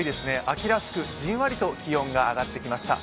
秋らしくじんわりと気温が上がってきました。